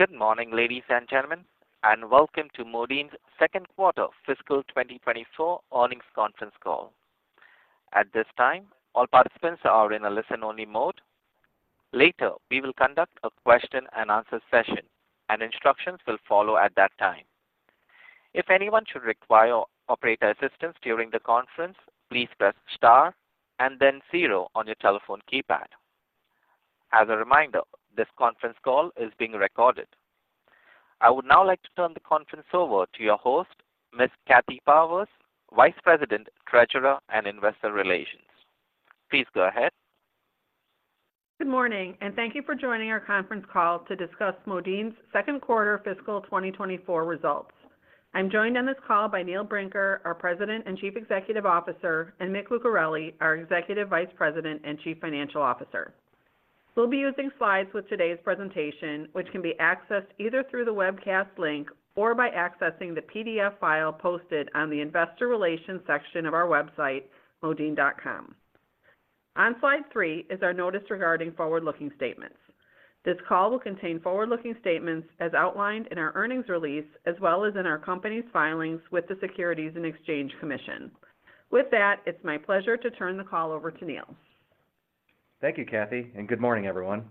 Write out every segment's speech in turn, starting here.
Good morning, ladies and gentlemen, and welcome to Modine's second quarter fiscal 2024 earnings conference call. At this time, all participants are in a listen-only mode. Later, we will conduct a question and answer session, and instructions will follow at that time. If anyone should require operator assistance during the conference, please press Star and then zero on your telephone keypad. As a reminder, this conference call is being recorded. I would now like to turn the conference over to your host, Ms. Kathy Powers, Vice President, Treasurer, and Investor Relations. Please go ahead. Good morning, and thank you for joining our conference call to discuss Modine's second quarter fiscal 2024 results. I'm joined on this call by Neil Brinker, our President and Chief Executive Officer, and Mick Lucareli, our Executive Vice President and Chief Financial Officer. We'll be using slides with today's presentation, which can be accessed either through the webcast link or by accessing the PDF file posted on the Investor Relations section of our website, modine.com. On slide 3 is our notice regarding forward-looking statements. This call will contain forward-looking statements as outlined in our earnings release, as well as in our company's filings with the Securities and Exchange Commission. With that, it's my pleasure to turn the call over to Neil. Thank you, Kathy, and good morning, everyone.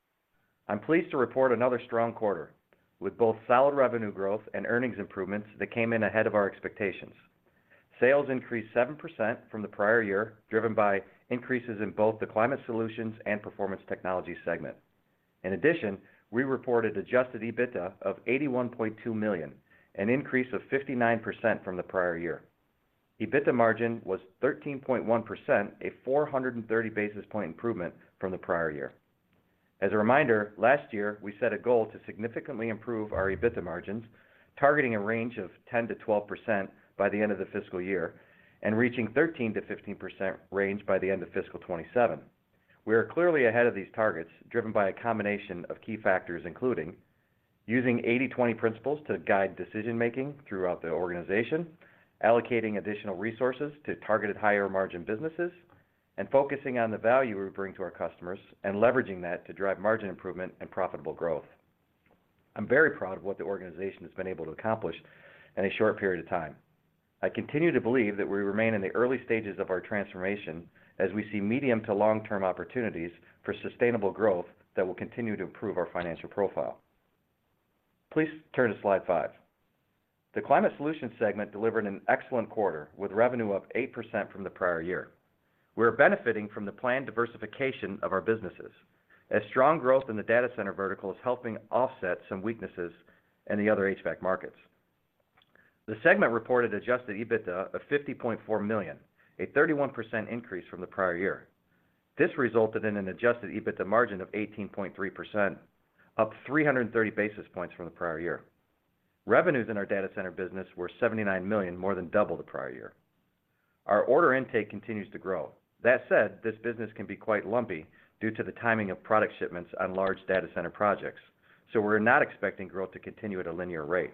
I'm pleased to report another strong quarter, with both solid revenue growth and earnings improvements that came in ahead of our expectations. Sales increased 7% from the prior year, driven by increases in both the Climate Solutions and Performance Technologies segment. In addition, we reported adjusted EBITDA of $81.2 million, an increase of 59% from the prior year. EBITDA margin was 13.1%, a 430 basis point improvement from the prior year. As a reminder, last year, we set a goal to significantly improve our EBITDA margins, targeting a range of 10%-12% by the end of the fiscal year and reaching 13%-15% range by the end of fiscal 2027. We are clearly ahead of these targets, driven by a combination of key factors, including: using 80/20 principles to guide decision-making throughout the organization, allocating additional resources to targeted higher-margin businesses, and focusing on the value we bring to our customers and leveraging that to drive margin improvement and profitable growth. I'm very proud of what the organization has been able to accomplish in a short period of time. I continue to believe that we remain in the early stages of our transformation as we see medium to long-term opportunities for sustainable growth that will continue to improve our financial profile. Please turn to slide 5. The Climate Solutions segment delivered an excellent quarter, with revenue up 8% from the prior year. We are benefiting from the planned diversification of our businesses, as strong growth in the data center vertical is helping offset some weaknesses in the other HVAC markets. The segment reported adjusted EBITDA of $50.4 million, a 31% increase from the prior year. This resulted in an adjusted EBITDA margin of 18.3%, up 330 basis points from the prior year. Revenues in our data center business were $79 million, more than double the prior year. Our order intake continues to grow. That said, this business can be quite lumpy due to the timing of product shipments on large data center projects, so we're not expecting growth to continue at a linear rate.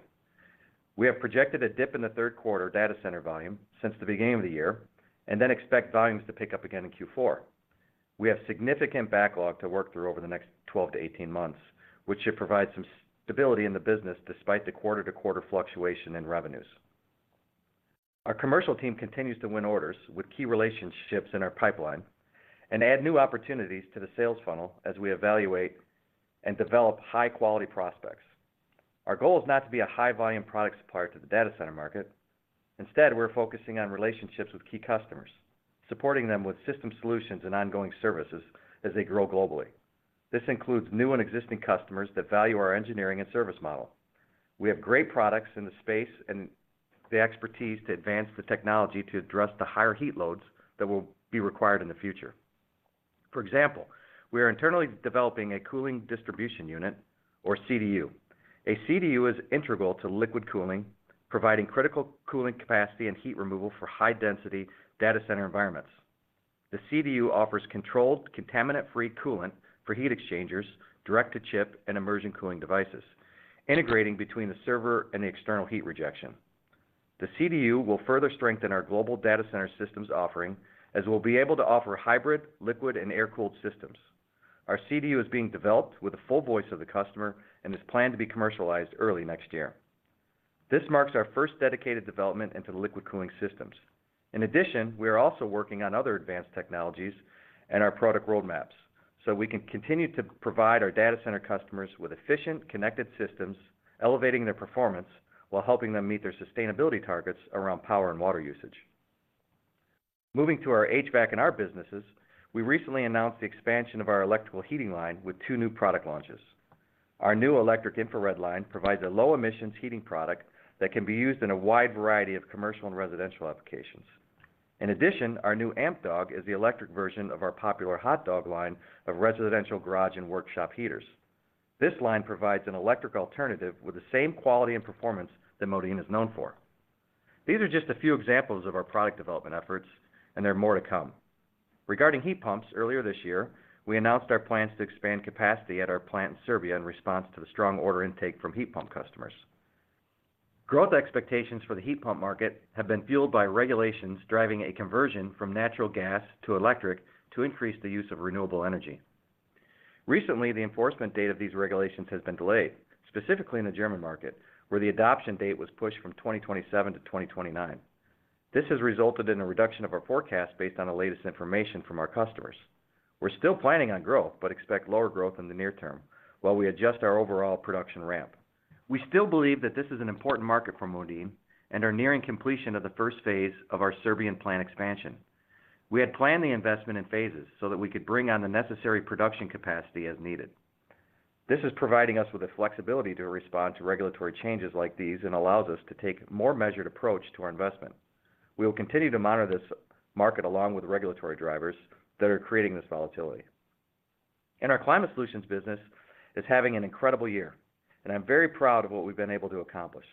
We have projected a dip in the third quarter data center volume since the beginning of the year, and then expect volumes to pick up again in Q4. We have significant backlog to work through over the next 12-18 months, which should provide some stability in the business despite the quarter-to-quarter fluctuation in revenues. Our commercial team continues to win orders with key relationships in our pipeline and add new opportunities to the sales funnel as we evaluate and develop high-quality prospects. Our goal is not to be a high-volume product supplier to the data center market. Instead, we're focusing on relationships with key customers, supporting them with system solutions and ongoing services as they grow globally. This includes new and existing customers that value our engineering and service model. We have great products in the space and the expertise to advance the technology to address the higher heat loads that will be required in the future. For example, we are internally developing a cooling distribution unit, or CDU. A CDU is integral to liquid cooling, providing critical cooling capacity and heat removal for high-density data center environments. The CDU offers controlled, contaminant-free coolant for heat exchangers, direct-to-chip, and immersion cooling devices, integrating between the server and the external heat rejection. The CDU will further strengthen our global data center systems offering, as we'll be able to offer hybrid, liquid, and air-cooled systems. Our CDU is being developed with the full voice of the customer and is planned to be commercialized early next year. This marks our first dedicated development into the liquid cooling systems. In addition, we are also working on other advanced technologies and our product roadmaps, so we can continue to provide our data center customers with efficient, connected systems, elevating their performance while helping them meet their sustainability targets around power and water usage. Moving to our HVAC&R businesses, we recently announced the expansion of our electrical heating line with two new product launches. Our new electric infrared line provides a low-emissions heating product that can be used in a wide variety of commercial and residential applications. In addition, our new Amp Dawg is the electric version of our popular Hot Dawg line of residential, garage, and workshop heaters. This line provides an electric alternative with the same quality and performance that Modine is known for. These are just a few examples of our product development efforts, and there are more to come. Regarding heat pumps, earlier this year, we announced our plans to expand capacity at our plant in Serbia in response to the strong order intake from heat pump customers. Growth expectations for the heat pump market have been fueled by regulations driving a conversion from natural gas to electric to increase the use of renewable energy. Recently, the enforcement date of these regulations has been delayed, specifically in the German market, where the adoption date was pushed from 2027 to 2029. This has resulted in a reduction of our forecast based on the latest information from our customers. We're still planning on growth, but expect lower growth in the near term while we adjust our overall production ramp. We still believe that this is an important market for Modine and are nearing completion of the first phase of our Serbian plant expansion. We had planned the investment in phases so that we could bring on the necessary production capacity as needed. This is providing us with the flexibility to respond to regulatory changes like these, and allows us to take a more measured approach to our investment. We will continue to monitor this market along with the regulatory drivers that are creating this volatility. Our Climate Solutions business is having an incredible year, and I'm very proud of what we've been able to accomplish.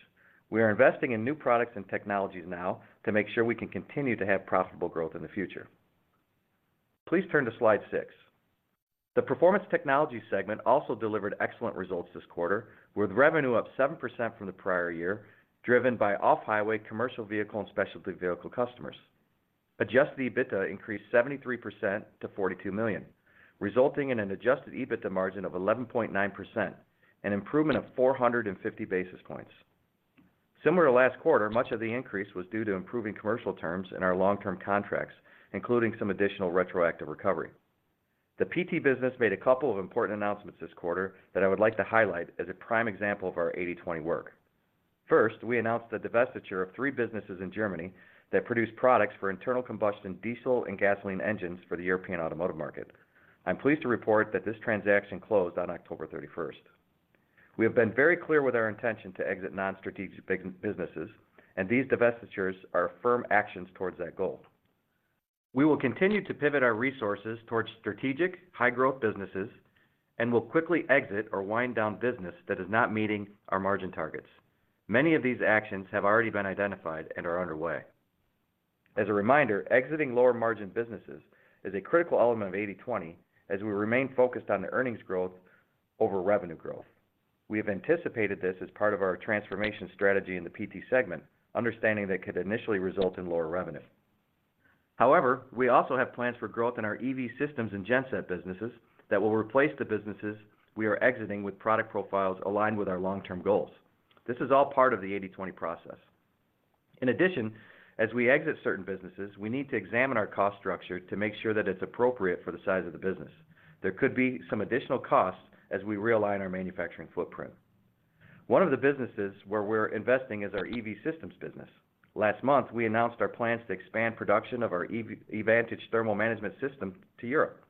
We are investing in new products and technologies now to make sure we can continue to have profitable growth in the future. Please turn to slide 6. The Performance Technologies segment also delivered excellent results this quarter, with revenue up 7% from the prior year, driven by off-highway commercial vehicle and specialty vehicle customers. Adjusted EBITDA increased 73% to $42 million, resulting in an adjusted EBITDA margin of 11.9%, an improvement of 450 basis points. Similar to last quarter, much of the increase was due to improving commercial terms in our long-term contracts, including some additional retroactive recovery. The PT business made a couple of important announcements this quarter that I would like to highlight as a prime example of our 80/20 work. First, we announced the divestiture of three businesses in Germany that produce products for internal combustion diesel and gasoline engines for the European automotive market. I'm pleased to report that this transaction closed on October 31st. We have been very clear with our intention to exit non-strategic businesses, and these divestitures are firm actions towards that goal. We will continue to pivot our resources towards strategic, high-growth businesses, and will quickly exit or wind down business that is not meeting our margin targets. Many of these actions have already been identified and are underway. As a reminder, exiting lower-margin businesses is a critical element of 80/20, as we remain focused on the earnings growth over revenue growth. We have anticipated this as part of our transformation strategy in the PT segment, understanding that it could initially result in lower revenue. However, we also have plans for growth in our EV Systems and Genset businesses that will replace the businesses we are exiting with product profiles aligned with our long-term goals. This is all part of the 80/20 process. In addition, as we exit certain businesses, we need to examine our cost structure to make sure that it's appropriate for the size of the business. There could be some additional costs as we realign our manufacturing footprint. One of the businesses where we're investing is our EV Systems business. Last month, we announced our plans to expand production of our EV, EVantage Thermal Management System to Europe.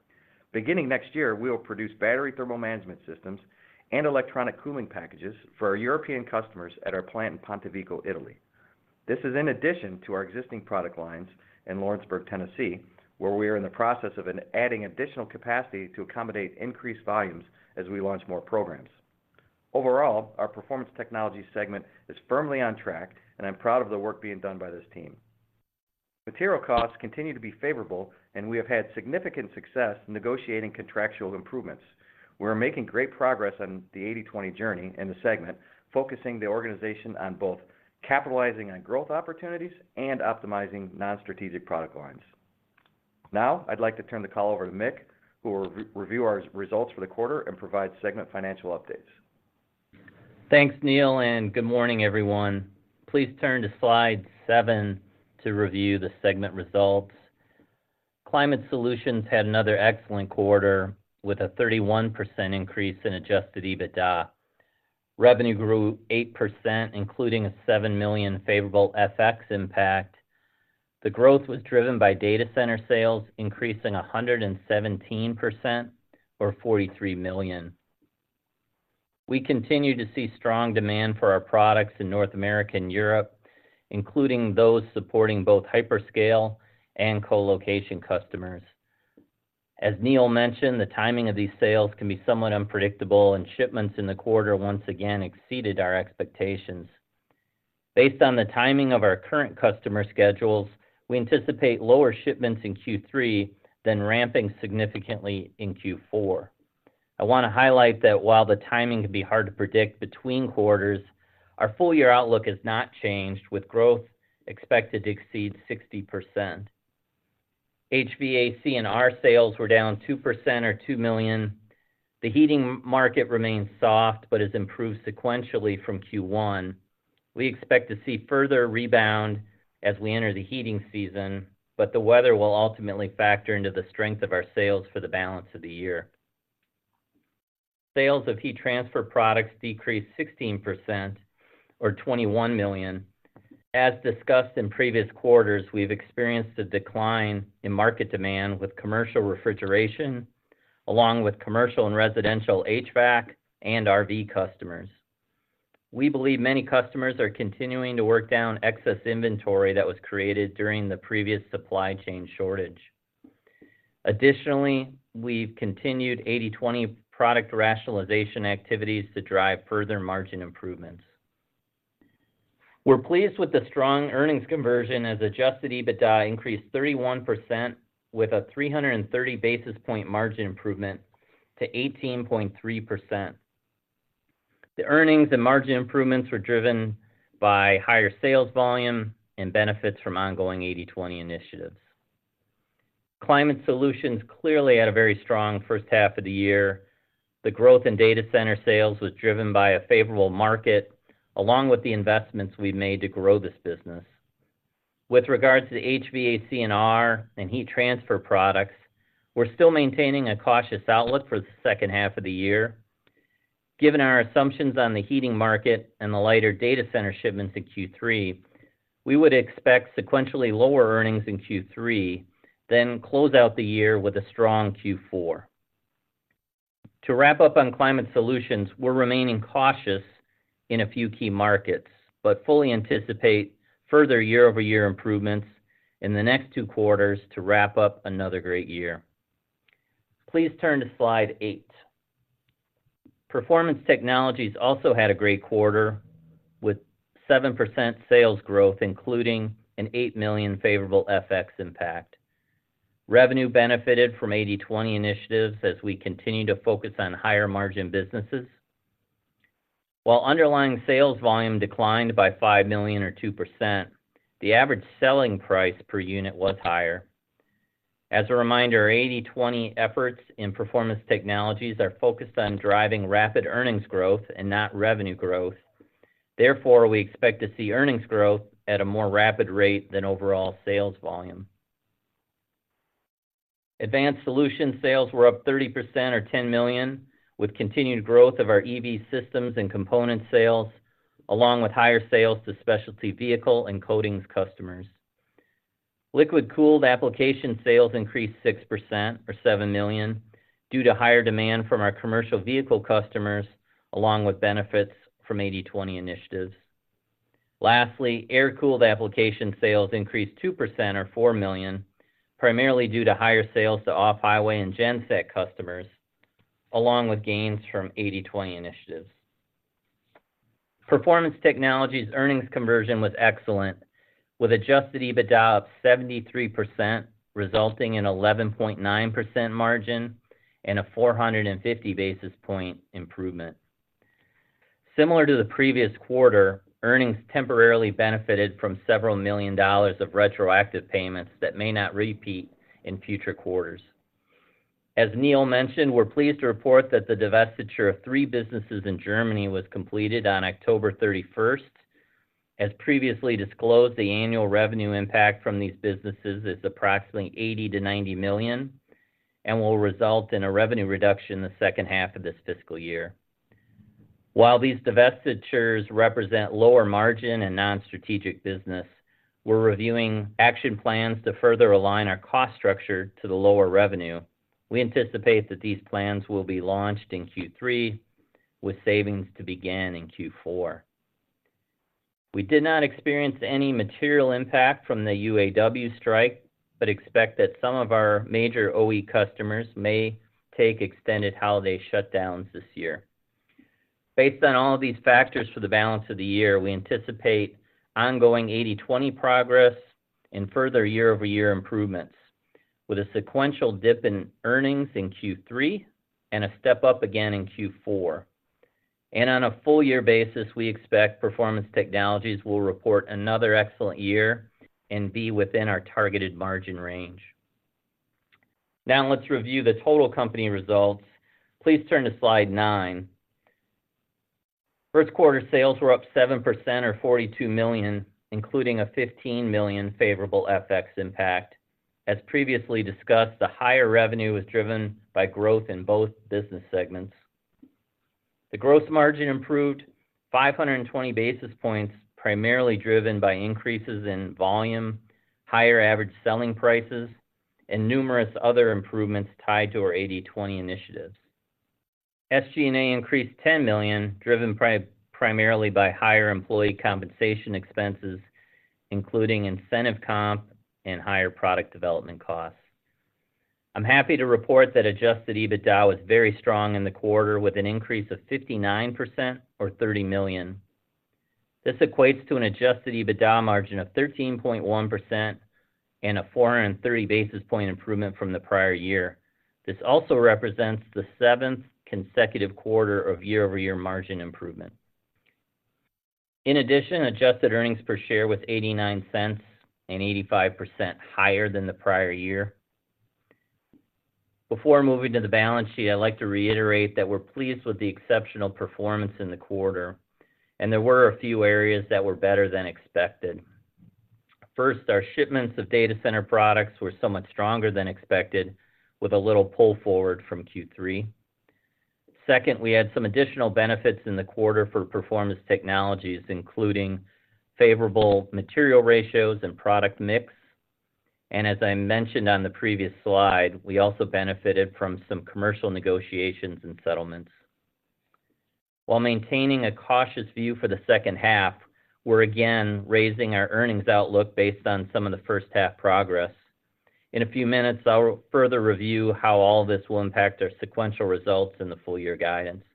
Beginning next year, we will produce battery thermal management systems and electronic cooling packages for our European customers at our plant in Pontevico, Italy. This is in addition to our existing product lines in Lawrenceburg, Tennessee, where we are in the process of adding additional capacity to accommodate increased volumes as we launch more programs. Overall, our Performance Technologies segment is firmly on track, and I'm proud of the work being done by this team. Material costs continue to be favorable, and we have had significant success in negotiating contractual improvements. We're making great progress on the 80/20 journey in the segment, focusing the organization on both capitalizing on growth opportunities and optimizing non-strategic product lines. Now, I'd like to turn the call over to Mick, who will review our results for the quarter and provide segment financial updates. Thanks, Neil, and good morning, everyone. Please turn to slide 7 to review the segment results. Climate Solutions had another excellent quarter, with a 31% increase in adjusted EBITDA. Revenue grew 8%, including a $7 million favorable FX impact. The growth was driven by data center sales, increasing 117%, or $43 million. We continue to see strong demand for our products in North America and Europe, including those supporting both hyperscale and colocation customers. As Neil mentioned, the timing of these sales can be somewhat unpredictable, and shipments in the quarter once again exceeded our expectations. Based on the timing of our current customer schedules, we anticipate lower shipments in Q3 than ramping significantly in Q4. I want to highlight that while the timing can be hard to predict between quarters, our full year outlook has not changed, with growth expected to exceed 60%. HVAC&R sales were down 2% or $2 million. The heating market remains soft, but has improved sequentially from Q1. We expect to see further rebound as we enter the heating season, but the weather will ultimately factor into the strength of our sales for the balance of the year. Sales of heat transfer products decreased 16%, or $21 million. As discussed in previous quarters, we've experienced a decline in market demand with commercial refrigeration, along with commercial and residential HVAC&R customers. We believe many customers are continuing to work down excess inventory that was created during the previous supply chain shortage. Additionally, we've continued 80/20 product rationalization activities to drive further margin improvements. We're pleased with the strong earnings conversion, as adjusted EBITDA increased 31%, with a 330 basis point margin improvement to 18.3%. The earnings and margin improvements were driven by higher sales volume and benefits from ongoing 80/20 initiatives. Climate Solutions clearly had a very strong first half of the year. The growth in data center sales was driven by a favorable market, along with the investments we've made to grow this business. With regards to the HVAC&R and heat transfer products, we're still maintaining a cautious outlook for the second half of the year. Given our assumptions on the heating market and the lighter data center shipments in Q3, we would expect sequentially lower earnings in Q3, then close out the year with a strong Q4. To wrap up on Climate Solutions, we're remaining cautious in a few key markets, but fully anticipate further year-over-year improvements in the next two quarters to wrap up another great year. Please turn to Slide 8. Performance Technologies also had a great quarter, with 7% sales growth, including an $8 million favorable FX impact. Revenue benefited from 80/20 initiatives as we continue to focus on higher margin businesses. While underlying sales volume declined by $5 million or 2%, the average selling price per unit was higher. As a reminder, 80/20 efforts in Performance Technologies are focused on driving rapid earnings growth and not revenue growth. Therefore, we expect to see earnings growth at a more rapid rate than overall sales volume. Advanced Solutions sales were up 30% or $10 million, with continued growth of our EV Systems and component sales, along with higher sales to specialty vehicle and coatings customers. Liquid-cooled application sales increased 6% or $7 million, due to higher demand from our commercial vehicle customers, along with benefits from 80/20 initiatives. Lastly, air-cooled application sales increased 2% or $4 million, primarily due to higher sales to off-highway and Genset customers, along with gains from 80/20 initiatives. Performance Technologies earnings conversion was excellent, with Adjusted EBITDA of 73%, resulting in 11.9% margin and a 450 basis point improvement. Similar to the previous quarter, earnings temporarily benefited from several million dollars of retroactive payments that may not repeat in future quarters. As Neil mentioned, we're pleased to report that the divestiture of three businesses in Germany was completed on October 31. As previously disclosed, the annual revenue impact from these businesses is approximately $80 million-$90 million, and will result in a revenue reduction in the second half of this fiscal year. While these divestitures represent lower margin and non-strategic business, we're reviewing action plans to further align our cost structure to the lower revenue. We anticipate that these plans will be launched in Q3, with savings to begin in Q4. We did not experience any material impact from the UAW strike, but expect that some of our major OE customers may take extended holiday shutdowns this year. Based on all of these factors for the balance of the year, we anticipate ongoing 80/20 progress and further year-over-year improvements, with a sequential dip in earnings in Q3 and a step-up again in Q4. On a full year basis, we expect Performance Technologies will report another excellent year and be within our targeted margin range. Now, let's review the total company results. Please turn to Slide 9. First quarter sales were up 7% or $42 million, including a $15 million favorable FX impact. As previously discussed, the higher revenue was driven by growth in both business segments. The gross margin improved 520 basis points, primarily driven by increases in volume, higher average selling prices, and numerous other improvements tied to our 80/20 initiatives. SG&A increased $10 million, driven primarily by higher employee compensation expenses, including incentive comp and higher product development costs. I'm happy to report that adjusted EBITDA was very strong in the quarter, with an increase of 59% or $30 million. This equates to an Adjusted EBITDA margin of 13.1% and a 430 basis point improvement from the prior year. This also represents the seventh consecutive quarter of year-over-year margin improvement. In addition, adjusted earnings per share was $0.89 and 85% higher than the prior year. Before moving to the balance sheet, I'd like to reiterate that we're pleased with the exceptional performance in the quarter, and there were a few areas that were better than expected. First, our shipments of data center products were somewhat stronger than expected, with a little pull forward from Q3. Second, we had some additional benefits in the quarter for Performance Technologies, including favorable material ratios and product mix. And as I mentioned on the previous slide, we also benefited from some commercial negotiations and settlements. While maintaining a cautious view for the second half, we're again raising our earnings outlook based on some of the first half progress. In a few minutes, I'll further review how all this will impact our sequential results in the full year guidance.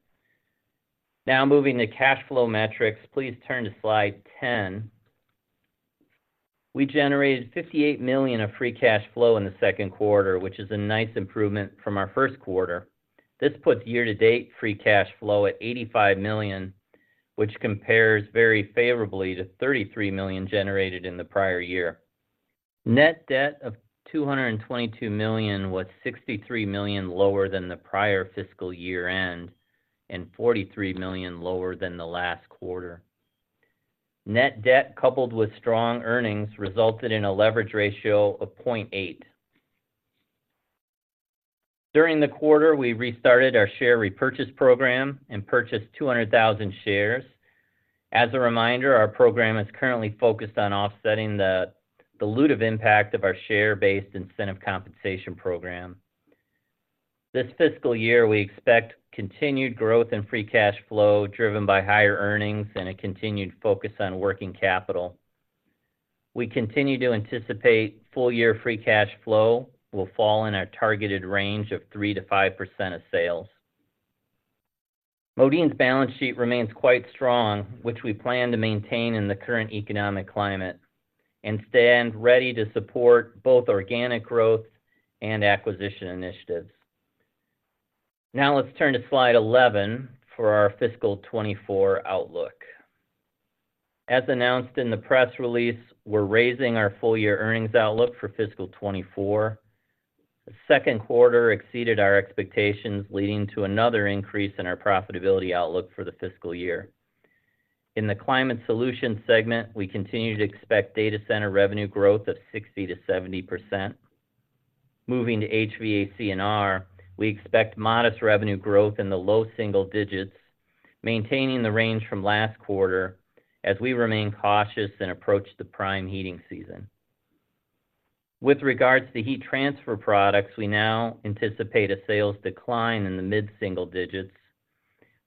Now, moving to cash flow metrics. Please turn to slide 10. We generated $58 million of free cash flow in the second quarter, which is a nice improvement from our first quarter. This puts year-to-date free cash flow at $85 million, which compares very favorably to $33 million generated in the prior year. Net debt of $222 million was $63 million lower than the prior fiscal year-end, and $43 million lower than the last quarter. Net debt, coupled with strong earnings, resulted in a leverage ratio of 0.8. During the quarter, we restarted our share repurchase program and purchased 200,000 shares. As a reminder, our program is currently focused on offsetting the dilutive impact of our share-based incentive compensation program. This fiscal year, we expect continued growth in free cash flow, driven by higher earnings and a continued focus on working capital. We continue to anticipate full year free cash flow will fall in our targeted range of 3%-5% of sales. Modine's balance sheet remains quite strong, which we plan to maintain in the current economic climate, and stand ready to support both organic growth and acquisition initiatives. Now let's turn to slide 11 for our fiscal 2024 outlook. As announced in the press release, we're raising our full-year earnings outlook for fiscal 2024. The second quarter exceeded our expectations, leading to another increase in our profitability outlook for the fiscal year. In the Climate Solutions segment, we continue to expect data center revenue growth of 60%-70%. Moving to HVAC&R, we expect modest revenue growth in the low single digits, maintaining the range from last quarter as we remain cautious and approach the prime heating season. With regards to heat transfer products, we now anticipate a sales decline in the mid-single digits,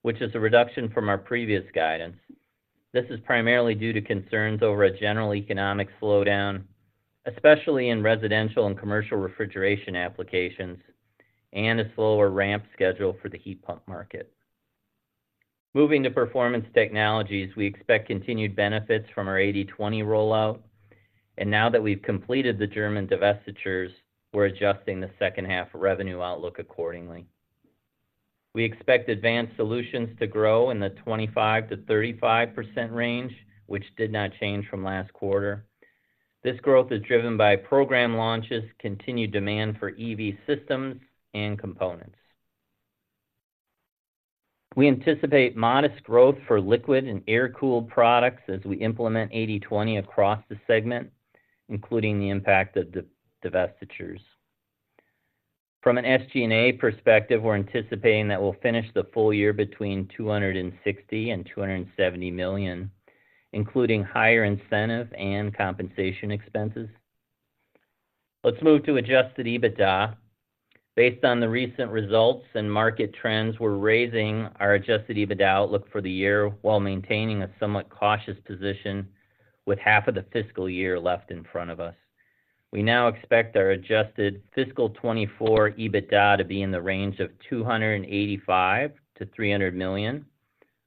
which is a reduction from our previous guidance. This is primarily due to concerns over a general economic slowdown, especially in residential and commercial refrigeration applications, and a slower ramp schedule for the heat pump market. Moving to Performance Technologies, we expect continued benefits from our 80/20 rollout, and now that we've completed the German divestitures, we're adjusting the second-half revenue outlook accordingly. We expect Advanced Solutions to grow in the 25%-35% range, which did not change from last quarter. This growth is driven by program launches, continued demand for EV Systems, and components. We anticipate modest growth for liquid and air-cooled products as we implement 80/20 across the segment, including the impact of divestitures. From an SG&A perspective, we're anticipating that we'll finish the full year between $260 million and $270 million, including higher incentive and compensation expenses. Let's move to adjusted EBITDA. Based on the recent results and market trends, we're raising our adjusted EBITDA outlook for the year while maintaining a somewhat cautious position with half of the fiscal year left in front of us. We now expect our Adjusted fiscal 2024 EBITDA to be in the range of $285 million-$300 million,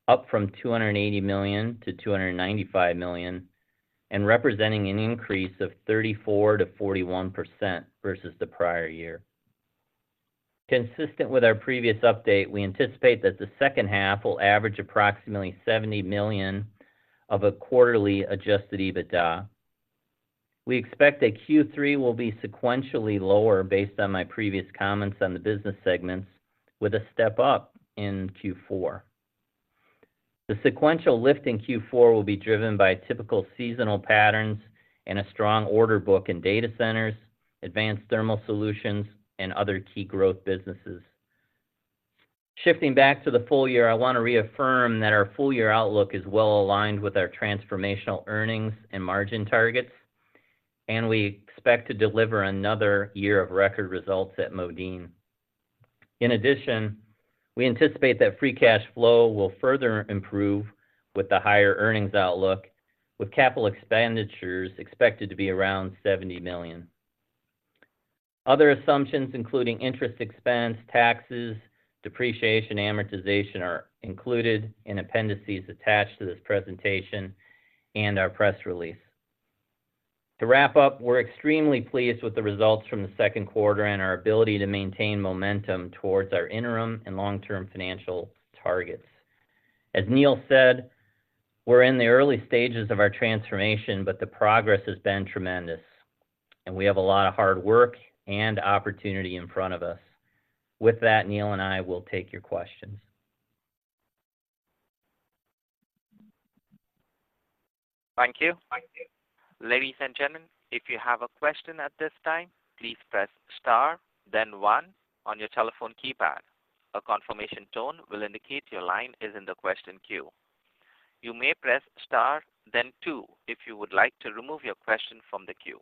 up from $280 million-$295 million, and representing an increase of 34%-41% versus the prior year. Consistent with our previous update, we anticipate that the second half will average approximately $70 million of quarterly Adjusted EBITDA. We expect that Q3 will be sequentially lower based on my previous comments on the business segments with a step up in Q4. The sequential lift in Q4 will be driven by typical seasonal patterns and a strong order book in data centers, advanced thermal solutions, and other key growth businesses. Shifting back to the full year, I want to reaffirm that our full-year outlook is well aligned with our transformational earnings and margin targets, and we expect to deliver another year of record results at Modine. In addition, we anticipate that free cash flow will further improve with the higher earnings outlook, with capital expenditures expected to be around $70 million. Other assumptions, including interest expense, taxes, depreciation, and amortization, are included in appendices attached to this presentation and our press release. To wrap up, we're extremely pleased with the results from the second quarter and our ability to maintain momentum towards our interim and long-term financial targets. As Neil said, we're in the early stages of our transformation, but the progress has been tremendous, and we have a lot of hard work and opportunity in front of us. With that, Neil and I will take your questions. Thank you. Ladies and gentlemen, if you have a question at this time, please press Star, then one on your telephone keypad. A confirmation tone will indicate your line is in the question queue. You may press Star, then two, if you would like to remove your question from the queue.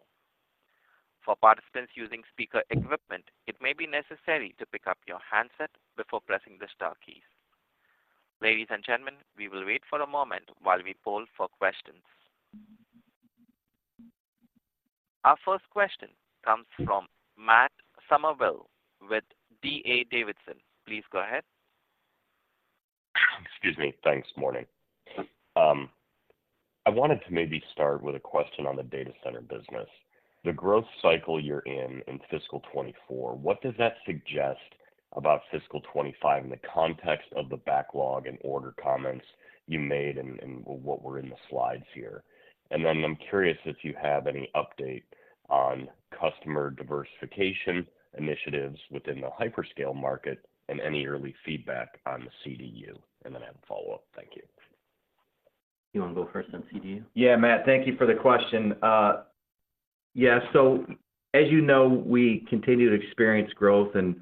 For participants using speaker equipment, it may be necessary to pick up your handset before pressing the star keys. Ladies and gentlemen, we will wait for a moment while we poll for questions. Our first question comes from Matt Summerville with D.A. Davidson. Please go ahead. Excuse me. Thanks, morning. I wanted to maybe start with a question on the data center business. The growth cycle you're in, in fiscal 2024, what does that suggest about fiscal 2025 in the context of the backlog and order comments you made and what were in the slides here? And then I'm curious if you have any update on customer diversification initiatives within the hyperscale market and any early feedback on the CDU, and then I have a follow-up. Thank you. You wanna go first on CDU? Yeah, Matt, thank you for the question. Yeah, so as you know, we continue to experience growth and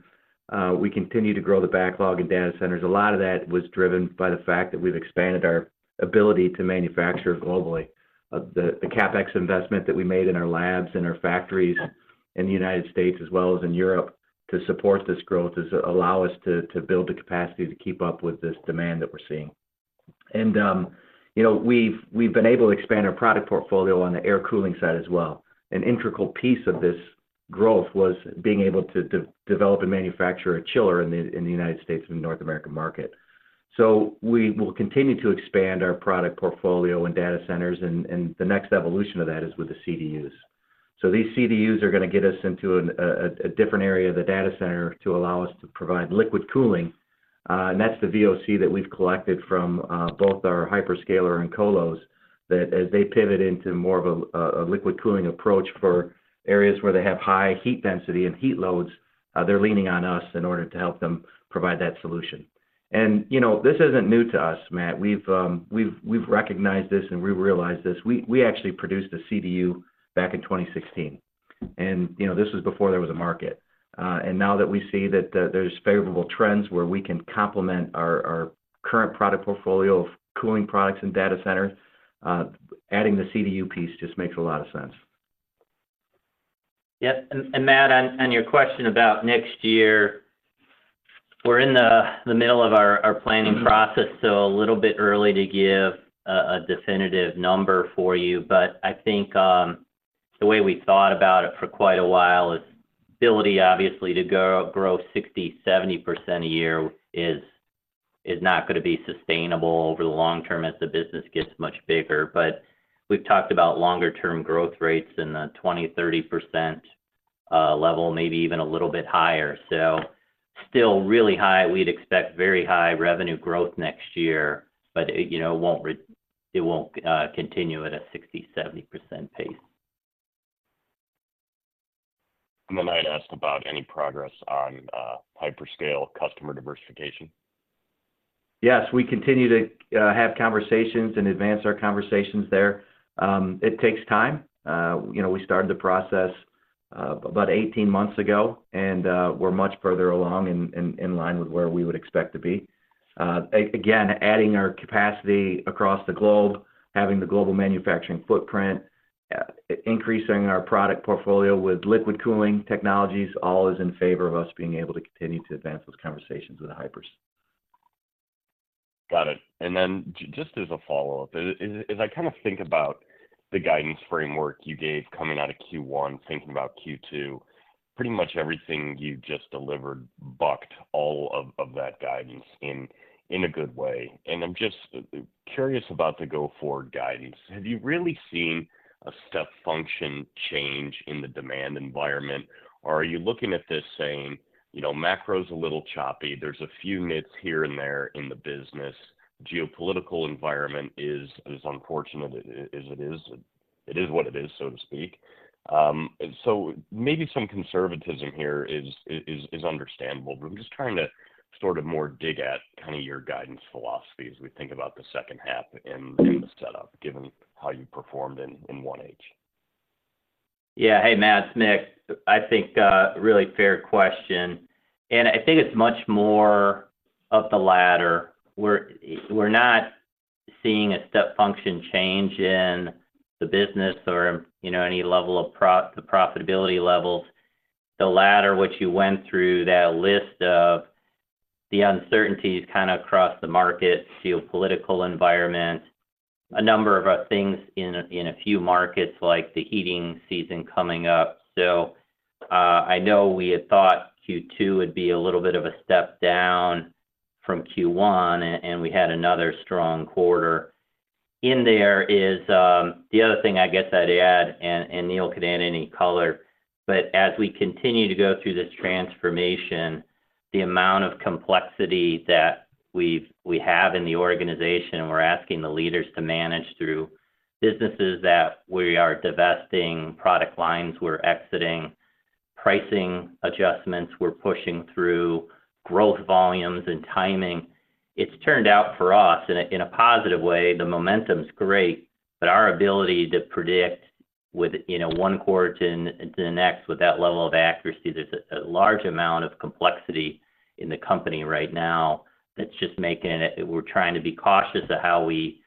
we continue to grow the backlog in data centers. A lot of that was driven by the fact that we've expanded our ability to manufacture globally. The CapEx investment that we made in our labs and our factories in the United States, as well as in Europe, to support this growth, has allow us to build the capacity to keep up with this demand that we're seeing. And you know, we've been able to expand our product portfolio on the air cooling side as well. An integral piece of this growth was being able to develop and manufacture a chiller in the United States and North America market. So we will continue to expand our product portfolio and data centers, and the next evolution of that is with the CDUs. So these CDUs are gonna get us into a different area of the data center to allow us to provide liquid cooling. And that's the VOC that we've collected from both our hyperscaler and colos, that as they pivot into more of a liquid cooling approach for areas where they have high heat density and heat loads, they're leaning on us in order to help them provide that solution. And, you know, this isn't new to us, Matt. We've recognized this, and we realized this. We actually produced a CDU back in 2016, and, you know, this was before there was a market. And now that we see that there's favorable trends where we can complement our, our current product portfolio of cooling products and data centers, adding the CDU piece just makes a lot of sense. Yeah, Matt, on your question about next year, we're in the middle of our planning process, so a little bit early to give a definitive number for you. But I think the way we thought about it for quite a while is ability, obviously, to grow 60%-70% a year is not gonna be sustainable over the long term as the business gets much bigger. But we've talked about longer-term growth rates in the 20%-30% level, maybe even a little bit higher. So still really high. We'd expect very high revenue growth next year, but it, you know, won't re-- it won't continue at a 60%-70% pace. Then I'd asked about any progress on hyperscale customer diversification. Yes, we continue to have conversations and advance our conversations there. It takes time. You know, we started the process about 18 months ago, and we're much further along in line with where we would expect to be. Again, adding our capacity across the globe, having the global manufacturing footprint, increasing our product portfolio with liquid cooling technologies, all is in favor of us being able to continue to advance those conversations with the hypers. Got it. And then just as a follow-up, as I kind of think about the guidance framework you gave coming out of Q1, thinking about Q2, pretty much everything you just delivered bucked all of that guidance in a good way. And I'm just curious about the go-forward guidance. Have you really seen a step function change in the demand environment, or are you looking at this saying, "You know, macro is a little choppy, there's a few nits here and there in the business. Geopolitical environment is as unfortunate as it is, it is what it is," so to speak. So maybe some conservatism here is understandable, but I'm just trying to sort of more dig at kind of your guidance philosophy as we think about the second half in the setup, given how you performed in 1H. Yeah. Hey, Matt, it's Mick. I think a really fair question, and I think it's much more of the latter. We're not seeing a step function change in the business or, you know, any level of the profitability levels. The latter, what you went through, that list of the uncertainties kind of across the market, geopolitical environment, a number of things in a few markets, like the heating season coming up. So, I know we had thought Q2 would be a little bit of a step down from Q1, and we had another strong quarter. And there is the other thing I guess I'd add, and Neil could add any color, but as we continue to go through this transformation, the amount of complexity that we have in the organization, and we're asking the leaders to manage through businesses that we are divesting, product lines we're exiting, pricing adjustments we're pushing through, growth volumes and timing. It's turned out for us in a positive way, the momentum's great, but our ability to predict with, you know, one quarter to the next with that level of accuracy, there's a large amount of complexity in the company right now that's just making it... We're trying to be cautious of how we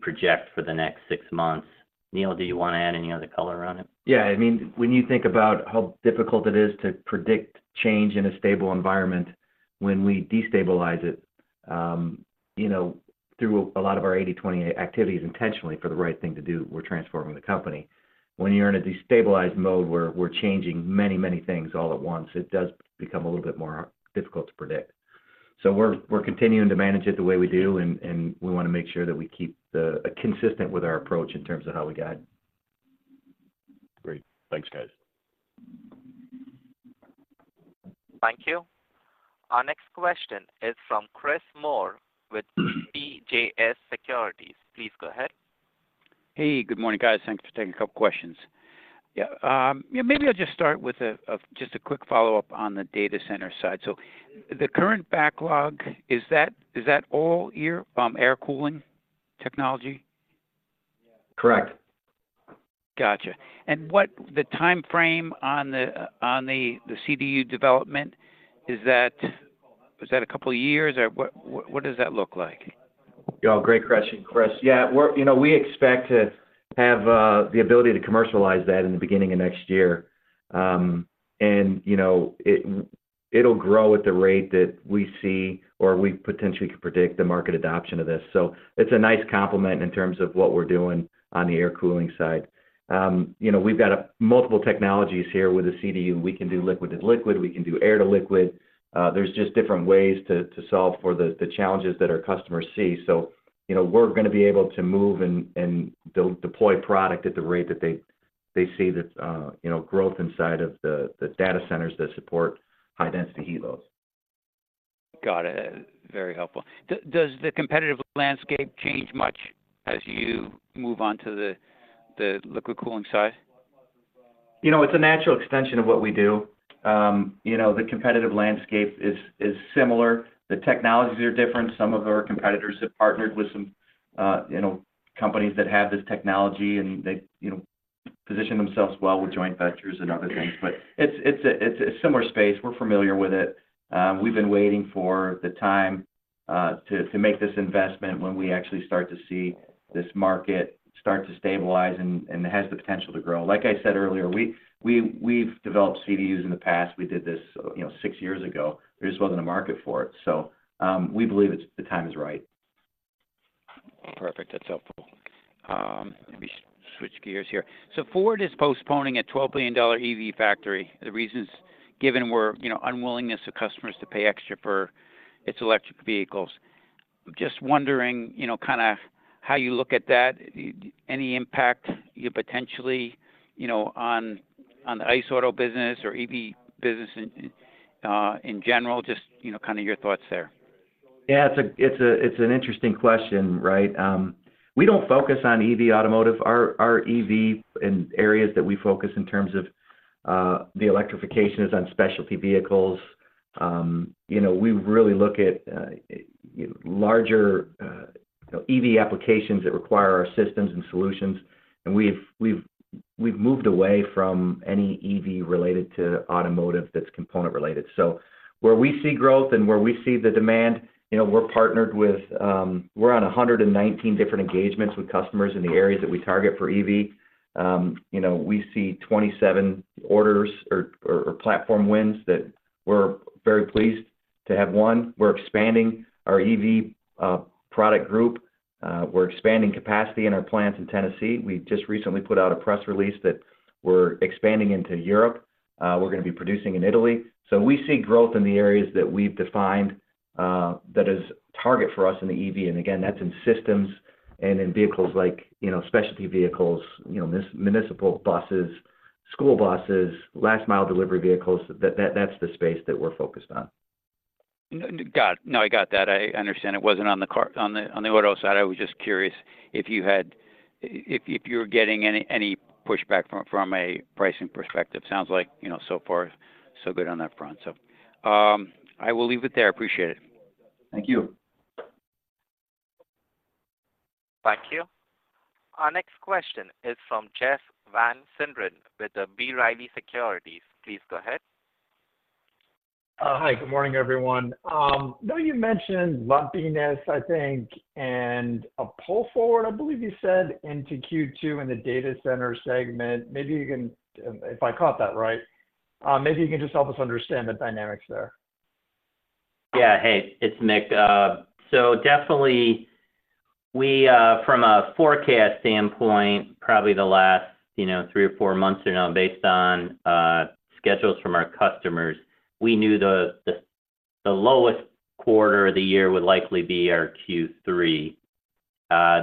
project for the next six months. Neil, do you want to add any other color on it? Yeah, I mean, when you think about how difficult it is to predict change in a stable environment, when we destabilize it, you know, through a lot of our 80/20 activities, intentionally for the right thing to do, we're transforming the company. When you're in a destabilized mode, where we're changing many, many things all at once, it does become a little bit more difficult to predict. So we're continuing to manage it the way we do, and we want to make sure that we keep consistent with our approach in terms of how we guide. Great. Thanks, guys. Thank you. Our next question is from Chris Moore with CJS Securities. Please go ahead. Hey, good morning, guys. Thanks for taking a couple questions. Yeah, yeah, maybe I'll just start with just a quick follow-up on the data center side. So the current backlog, is that all year air cooling technology? Correct. Gotcha. And what is the time frame on the CDU development? Is that a couple of years, or what does that look like? Yeah, great question, Chris. Yeah, we're you know, we expect to have the ability to commercialize that in the beginning of next year. And, you know, it, it'll grow at the rate that we see or we potentially can predict the market adoption of this. So it's a nice complement in terms of what we're doing on the air cooling side. You know, we've got a multiple technologies here with the CDU. We can do liquid to liquid, we can do air to liquid. There's just different ways to solve for the challenges that our customers see. So, you know, we're gonna be able to move and deploy product at the rate that they see that you know, growth inside of the data centers that support high-density heat loads. Got it. Very helpful. Does the competitive landscape change much as you move on to the, the liquid cooling side? You know, it's a natural extension of what we do. You know, the competitive landscape is similar. The technologies are different. Some of our competitors have partnered with some, you know, companies that have this technology, and they, you know, position themselves well with joint ventures and other things. But it's a similar space. We're familiar with it. We've been waiting for the time to make this investment when we actually start to see this market start to stabilize and has the potential to grow. Like I said earlier, we've developed CDUs in the past. We did this, you know, six years ago. There just wasn't a market for it, so we believe it's the time is right. Perfect. That's helpful. Let me switch gears here. So Ford is postponing a $12 billion EV factory. The reasons given were, you know, unwillingness of customers to pay extra for its electric vehicles. Just wondering, you know, kinda how you look at that. Any impact you potentially, you know, on, on the ICE auto business or EV business in, in general, just, you know, kind of your thoughts there? Yeah, it's an interesting question, right? We don't focus on EV automotive. Our EV and areas that we focus in terms of the electrification is on specialty vehicles. You know, we really look at larger EV applications that require our systems and solutions, and we've moved away from any EV related to automotive that's component related. So where we see growth and where we see the demand, you know, we're partnered with—we're on 119 different engagements with customers in the areas that we target for EV. You know, we see 27 orders or platform wins that we're very pleased to have won. We're expanding our EV product group. We're expanding capacity in our plants in Tennessee. We just recently put out a press release that we're expanding into Europe. We're gonna be producing in Italy. So we see growth in the areas that we've defined, that is target for us in the EV. And again, that's in systems and in vehicles like, you know, specialty vehicles, you know, municipal buses, school buses, last mile delivery vehicles. That's the space that we're focused on. Got it. No, I got that. I understand it wasn't on the car, on the auto side. I was just curious if you're getting any pushback from a pricing perspective. Sounds like, you know, so far, so good on that front. So, I will leave it there. Appreciate it. Thank you. Thank you. Our next question is from Jeff Van Sinderen with the B. Riley Securities. Please go ahead. Hi, good morning, everyone. Though you mentioned lumpiness, I think, and a pull forward, I believe you said, into Q2 in the data center segment, maybe you can - if I caught that right, maybe you can just help us understand the dynamics there. Yeah. Hey, it's Mick. So definitely we, from a forecast standpoint, probably the last, you know, three or four months, you know, based on, schedules from our customers, we knew the lowest quarter of the year would likely be our Q3.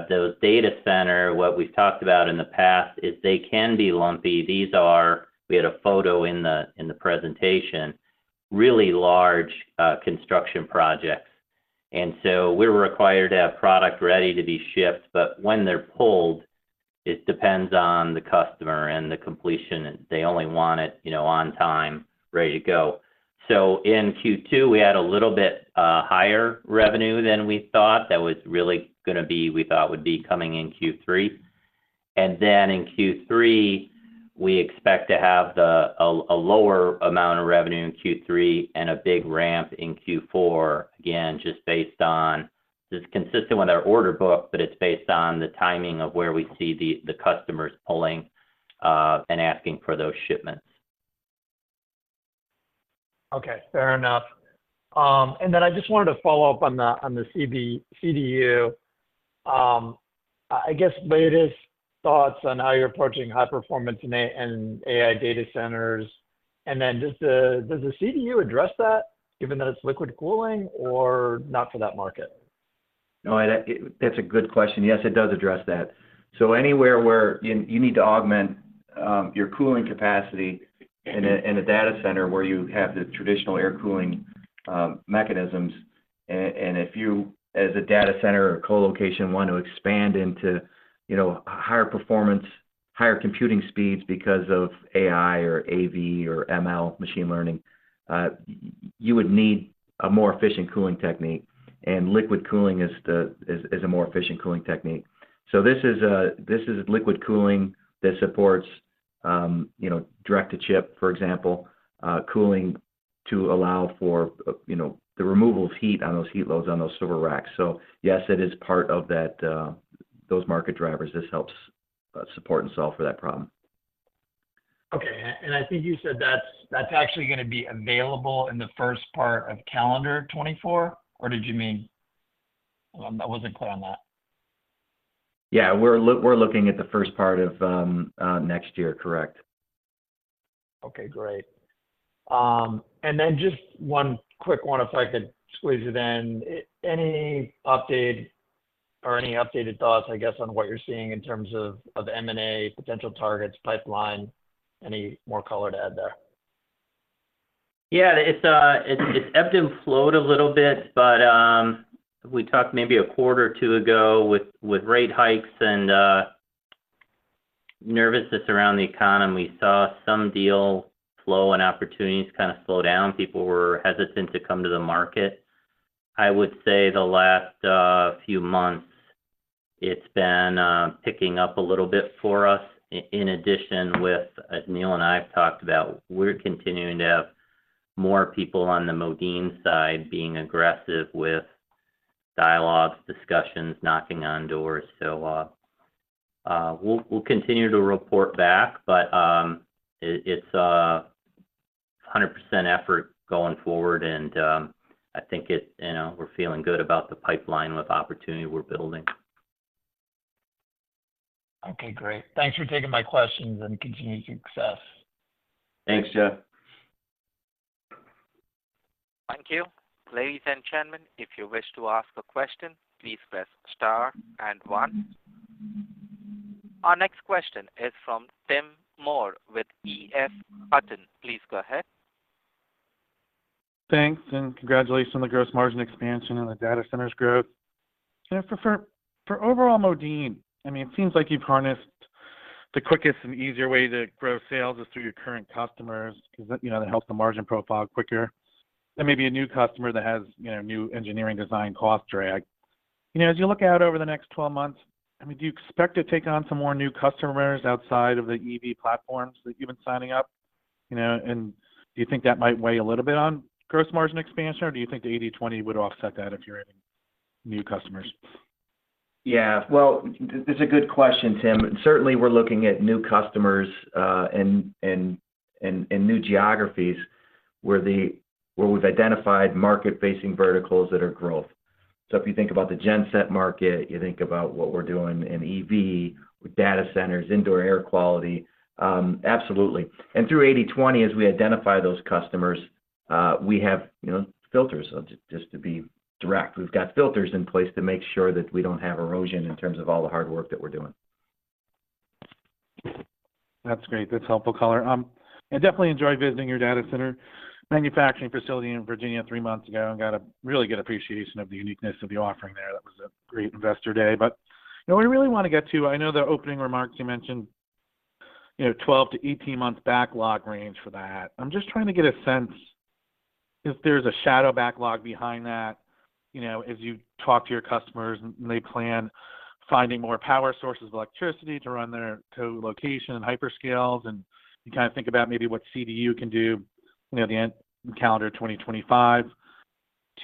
Those data center, what we've talked about in the past, is they can be lumpy. These are... We had a photo in the presentation, really large construction projects. And so we're required to have product ready to be shipped, but when they're pulled, it depends on the customer and the completion, and they only want it, you know, on time, ready to go. So in Q2, we had a little bit higher revenue than we thought that was really gonna be, we thought would be coming in Q3. And then in Q3, we expect to have a lower amount of revenue in Q3 and a big ramp in Q4, again, just based on... Just consistent with our order book, but it's based on the timing of where we see the customers pulling and asking for those shipments. Okay, fair enough. And then I just wanted to follow up on the CDU, I guess, latest thoughts on how you're approaching high performance in AI data centers, and then does the CDU address that, given that it's liquid cooling or not for that market? No, that's a good question. Yes, it does address that. So anywhere where you need to augment your cooling capacity in a data center where you have the traditional air cooling mechanisms, and if you, as a data center or colocation, want to expand into, you know, higher performance, higher computing speeds because of AI or AV or ML, machine learning, you would need a more efficient cooling technique, and liquid cooling is a more efficient cooling technique. So this is liquid cooling that supports, you know, direct-to-chip, for example, cooling to allow for, you know, the removal of heat on those heat loads on those server racks. So yes, it is part of that, those market drivers. This helps support and solve for that problem. Okay. And I think you said that's, that's actually gonna be available in the first part of calendar 2024, or did you mean...? I wasn't clear on that. Yeah. We're looking at the first part of next year, correct? Okay, great. And then just one quick one, if I could squeeze it in. Any update or any updated thoughts, I guess, on what you're seeing in terms of, of M&A, potential targets, pipeline? Any more color to add there? Yeah. It's ebbed and flowed a little bit, but we talked maybe a quarter or two ago with rate hikes and nervousness around the economy. We saw some deal flow and opportunities kind of slow down. People were hesitant to come to the market. I would say the last few months, it's been picking up a little bit for us. In addition with, as Neil and I have talked about, we're continuing to have more people on the Modine side being aggressive with dialogues, discussions, knocking on doors. So, we'll continue to report back, but it's 100% effort going forward, and I think it... You know, we're feeling good about the pipeline with opportunity we're building. Okay, great. Thanks for taking my questions, and continued success. Thanks, Jeff. Thank you. Ladies and gentlemen, if you wish to ask a question, please press star and one. Our next question is from Tim Moore with EF Hutton. Please go ahead. Thanks, and congratulations on the gross margin expansion and the data centers growth. You know, for overall Modine, I mean, it seems like you've harnessed the quickest and easier way to grow sales is through your current customers, 'cause that, you know, that helps the margin profile quicker than maybe a new customer that has, you know, new engineering design cost drag. You know, as you look out over the next 12 months, I mean, do you expect to take on some more new customers outside of the EV platforms that you've been signing up, you know? And do you think that might weigh a little bit on gross margin expansion, or do you think the 80/20 would offset that if you're adding new customers? Yeah. Well, it's a good question, Tim. Certainly, we're looking at new customers, and new geographies where we've identified market-facing verticals that are growth. So if you think about the Genset market, you think about what we're doing in EV, with data centers, indoor air quality, absolutely. And through 80/20, as we identify those customers, we have, you know, filters. So just to be direct, we've got filters in place to make sure that we don't have erosion in terms of all the hard work that we're doing. That's great. That's helpful color. I definitely enjoyed visiting your data center manufacturing facility in Virginia three months ago and got a really good appreciation of the uniqueness of the offering there. That was a great Investor Day. But, you know, I really want to get to... I know the opening remarks, you mentioned, you know, 12-18 months backlog range for that. I'm just trying to get a sense if there's a shadow backlog behind that, you know, as you talk to your customers, and they plan finding more power sources of electricity to run their colocation and hyperscales, and you kind of think about maybe what CDU can do, you know, the end calendar 2025.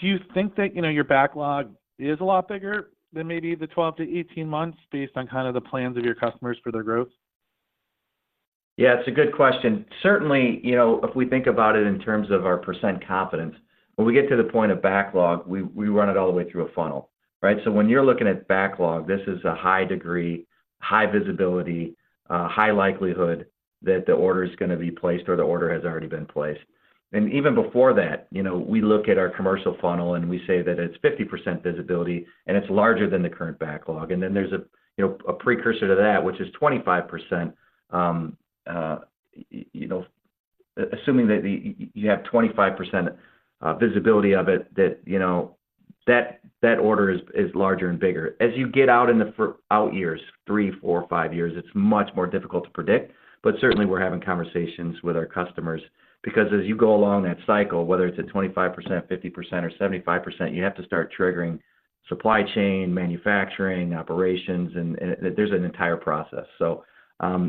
Do you think that, you know, your backlog is a lot bigger than maybe the 12-18 months, based on kind of the plans of your customers for their growth? Yeah, it's a good question. Certainly, you know, if we think about it in terms of our percent confidence, when we get to the point of backlog, we run it all the way through a funnel, right? So when you're looking at backlog, this is a high degree, high visibility, high likelihood that the order is gonna be placed or the order has already been placed. And even before that, you know, we look at our commercial funnel, and we say that it's 50% visibility, and it's larger than the current backlog. And then there's a, you know, a precursor to that, which is 25%, you know, assuming that you have 25% visibility of it, that, you know, that, that order is, is larger and bigger. As you get out in the far-out years, three, four, five years, it's much more difficult to predict, but certainly, we're having conversations with our customers. Because as you go along that cycle, whether it's at 25%, 50%, or 75%, you have to start triggering supply chain, manufacturing, operations, and, and there's an entire process. So,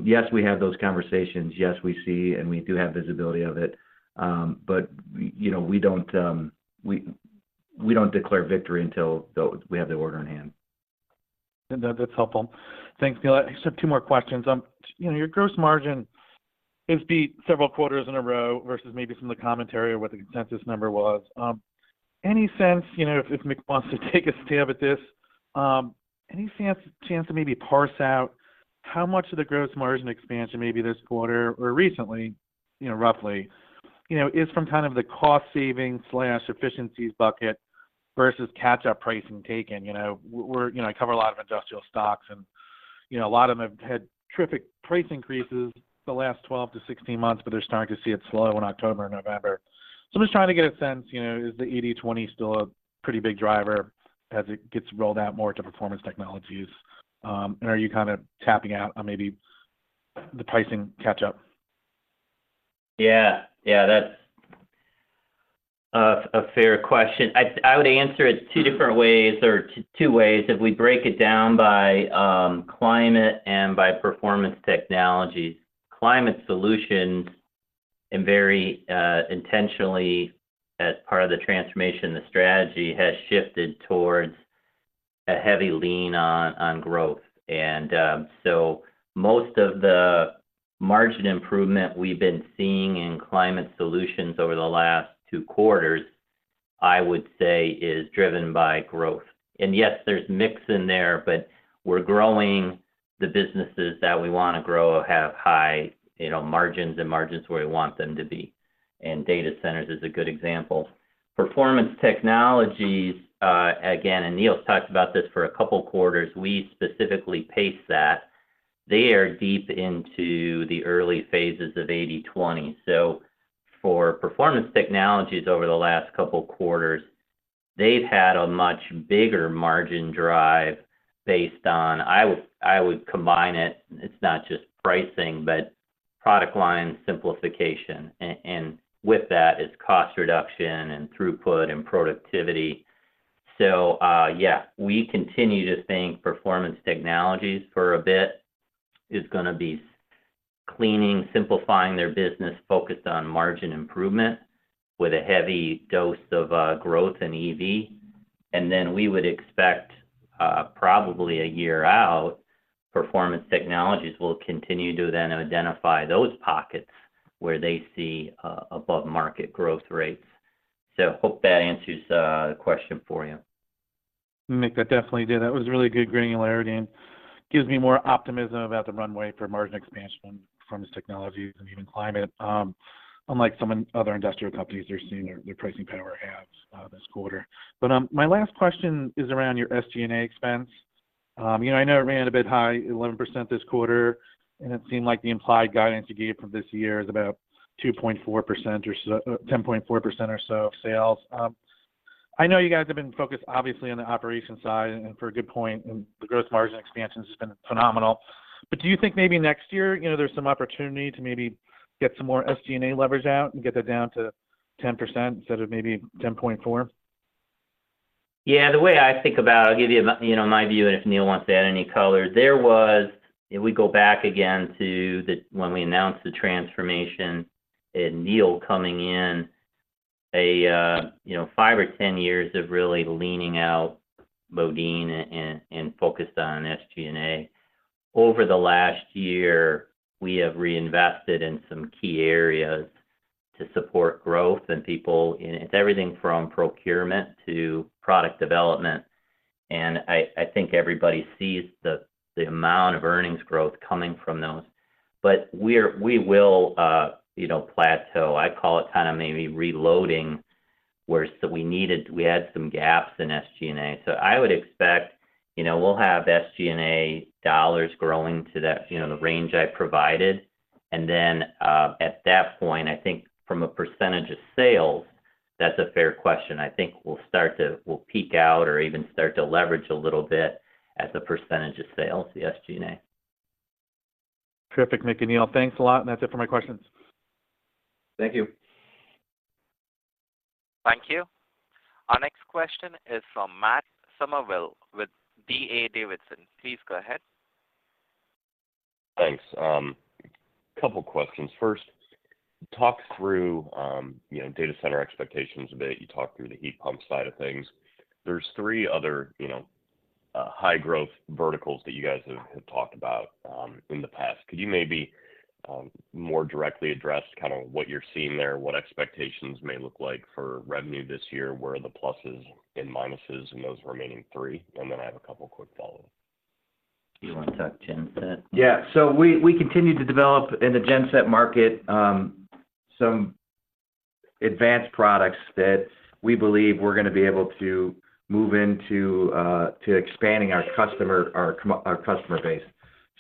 yes, we have those conversations. Yes, we see, and we do have visibility of it, but, you know, we don't, we, we don't declare victory until the, we have the order in hand. And that's helpful. Thanks, Neil. I just have two more questions. You know, your gross margin has beat several quarters in a row versus maybe some of the commentary or what the consensus number was. Any sense, you know, if Mick wants to take a stab at this, any chance to maybe parse out how much of the gross margin expansion maybe this quarter or recently, you know, roughly, you know, is from kind of the cost saving/efficiencies bucket versus catch-up pricing taken. You know, we're, you know, I cover a lot of industrial stocks, and, you know, a lot of them have had terrific price increases the last 12-16 months, but they're starting to see it slow in October and November. So I'm just trying to get a sense, you know, is the 80/20 still a pretty big driver as it gets rolled out more to Performance Technologies? And are you kind of tapping out on maybe the pricing catch-up? Yeah. Yeah, that's a fair question. I would answer it two different ways or two ways. If we break it down by Climate and by Performance Technologies, Climate Solutions, and very intentionally, as part of the transformation, the strategy has shifted towards a heavy lean on growth. And so most of the margin improvement we've been seeing in Climate Solutions over the last two quarters, I would say, is driven by growth. And yes, there's mix in there, but we're growing the businesses that we want to grow, have high, you know, margins and margins where we want them to be, and data centers is a good example. Performance Technologies, again, and Neil's talked about this for a couple of quarters, we specifically pace that. They are deep into the early phases of 80/20. So for Performance Technologies over the last couple quarters, they've had a much bigger margin drive based on—I would combine it, it's not just pricing, but product line simplification. And with that, it's cost reduction and throughput and productivity. So, yeah, we continue to think Performance Technologies for a bit is gonna be cleaning, simplifying their business, focused on margin improvement with a heavy dose of growth in EV. And then we would expect, probably a year out, Performance Technologies will continue to then identify those pockets where they see above market growth rates. So hope that answers the question for you. Mick, that definitely did. That was really good granularity and gives me more optimism about the runway for margin expansion from this technology and even climate. Unlike some other industrial companies, they're seeing their, their pricing power halve this quarter. But, my last question is around your SG&A expense. You know, I know it ran a bit high, 11% this quarter, and it seemed like the implied guidance you gave for this year is about 2.4% or so, 10.4% or so of sales. I know you guys have been focused, obviously, on the operation side, and for a good point, and the gross margin expansion has been phenomenal. But do you think maybe next year, you know, there's some opportunity to maybe get some more SG&A leverage out and get that down to 10% instead of maybe 10.4%? Yeah, the way I think about it, I'll give you, you know, my view, and if Neil wants to add any color. There was, if we go back again to the, when we announced the transformation and Neil coming in, a, you know, five or 10 years of really leaning out Modine and focused on SG&A. Over the last year, we have reinvested in some key areas to support growth and people. And it's everything from procurement to product development, and I think everybody sees the amount of earnings growth coming from those. But we will, you know, plateau. I call it kind of maybe reloading, where, so we needed, we had some gaps in SG&A. So I would expect, you know, we'll have SG&A dollars growing to that, you know, the range I provided. And then, at that point, I think from a percentage of sales, that's a fair question. I think we'll peak out or even start to leverage a little bit as a percentage of sales, the SG&A. Terrific, Mick and Neil. Thanks a lot, and that's it for my questions. Thank you. Thank you. Our next question is from Matt Summerville with D.A. Davidson. Please go ahead. Thanks. A couple questions. First, talk through, you know, data center expectations a bit. You talked through the heat pump side of things. There's three other, you know, high growth verticals that you guys have, have talked about, in the past. Could you maybe, more directly address kind of what you're seeing there, what expectations may look like for revenue this year, where are the pluses and minuses in those remaining three? And then I have a couple quick follow-up. Do you want to talk Genset? Yeah. So we continue to develop in the Genset market some advanced products that we believe we're gonna be able to move into to expanding our customer base.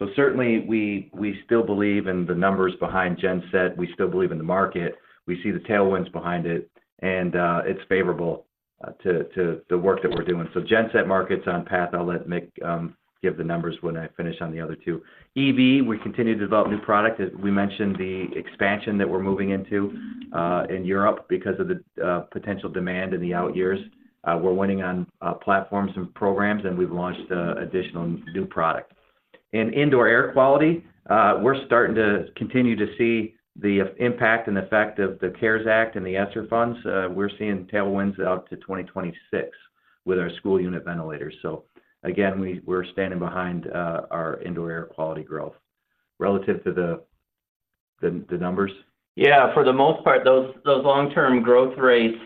So certainly, we still believe in the numbers behind Genset, we still believe in the market, we see the tailwinds behind it, and it's favorable to the work that we're doing. So Genset market's on path. I'll let Mick give the numbers when I finish on the other two. EV, we continue to develop new product. As we mentioned, the expansion that we're moving into in Europe because of the potential demand in the out years, we're winning on platforms and programs, and we've launched additional new product. In indoor air quality, we're starting to continue to see the impact and effect of the CARES Act and the ESSER funds. We're seeing tailwinds out to 2026 with our school unit ventilators. So again, we're standing behind our indoor air quality growth. Relative to the numbers? Yeah. For the most part, those long-term growth rates,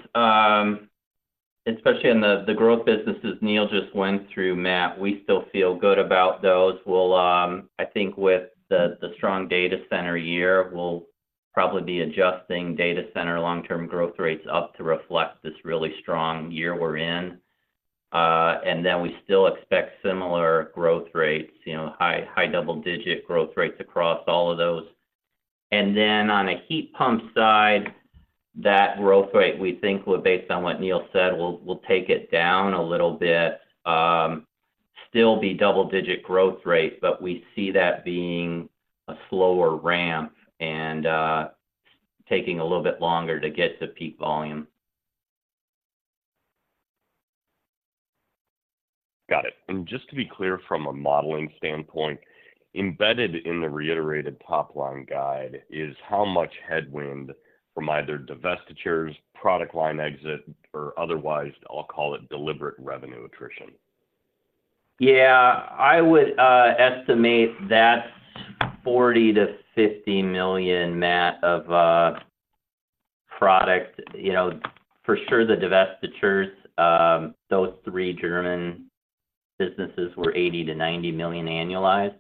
especially in the growth businesses Neil just went through, Matt, we still feel good about those. We'll, I think with the strong data center year, we'll probably be adjusting data center long-term growth rates up to reflect this really strong year we're in. And then we still expect similar growth rates, you know, high double-digit growth rates across all of those. And then on a heat pump side, that growth rate, we think will, based on what Neil said, will take it down a little bit. Still be double-digit growth rate, but we see that being a slower ramp and taking a little bit longer to get to peak volume. Got it. Just to be clear, from a modeling standpoint, embedded in the reiterated top-line guide is how much headwind from either divestitures, product line exit, or otherwise, I'll call it deliberate revenue attrition? Yeah. I would estimate that's $40 million-$50 million, Matt, of product. You know, for sure, the divestitures, those three German businesses were $80 million-$90 million annualized.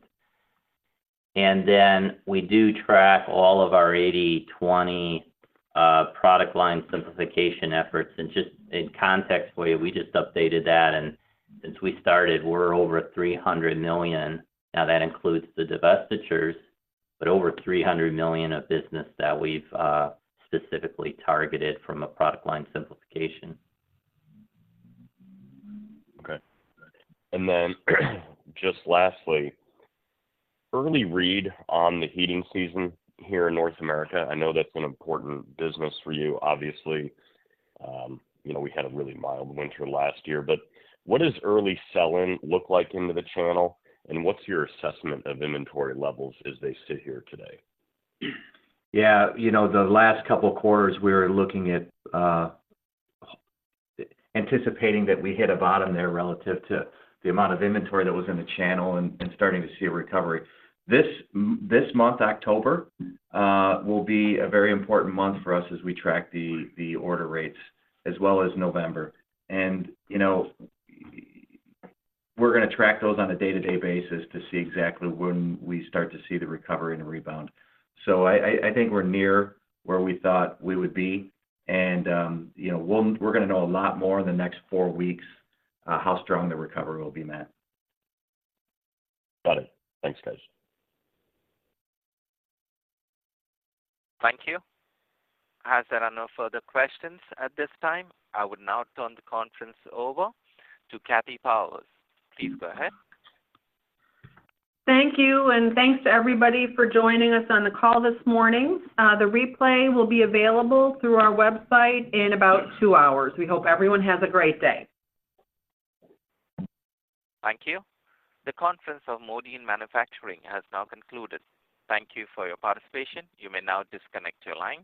Then we do track all of our 80/20 product line simplification efforts. Just in context for you, we just updated that, and since we started, we're over $300 million. Now, that includes the divestitures, but over $300 million of business that we've specifically targeted from a product line simplification. Okay. And then, just lastly, early read on the heating season here in North America. I know that's an important business for you, obviously. You know, we had a really mild winter last year, but what does early sell-in look like into the channel, and what's your assessment of inventory levels as they sit here today? Yeah, you know, the last couple of quarters, we were looking at anticipating that we hit a bottom there relative to the amount of inventory that was in the channel and starting to see a recovery. This month, October, will be a very important month for us as we track the order rates as well as November. And, you know, we're gonna track those on a day-to-day basis to see exactly when we start to see the recovery and the rebound. So I think we're near where we thought we would be, and, you know, we're gonna know a lot more in the next four weeks how strong the recovery will be, Matt. Got it. Thanks, guys. Thank you. As there are no further questions at this time, I would now turn the conference over to Kathy Powers. Please go ahead. Thank you, and thanks to everybody for joining us on the call this morning. The replay will be available through our website in about two hours. We hope everyone has a great day. Thank you. The conference of Modine Manufacturing has now concluded. Thank you for your participation. You may now disconnect your line.